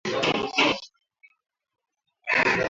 viazi vikisagwa huweza kusagwa na kupata unga